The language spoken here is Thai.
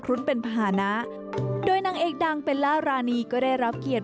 รุ้นเป็นภาษณะโดยนางเอกดังเบลล่ารานีก็ได้รับเกียรติ